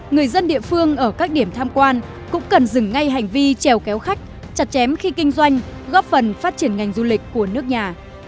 người dân địa phương ở các điểm tham quan cũng cần dừng ngay hành vi trèo kéo khách chặt chém khi kinh doanh góp phần phát triển ngành du lịch của nước nhà